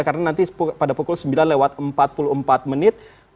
karena nanti pada pukul sembilan lewat empat puluh empat menit